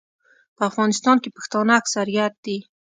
په افغانستان کې پښتانه اکثریت دي.